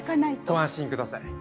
ご安心ください。